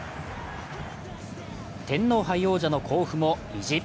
天皇杯王者の甲府も意地。